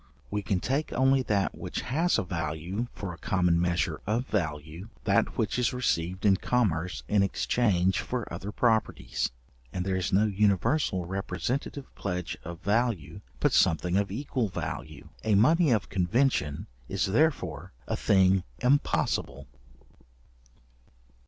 We can take only that which has a value for a common measure of value, that which is received in commerce in exchange for other properties; and there is no universal representative pledge of value, but something of equal value. A money of convention is therefore a thing impossible.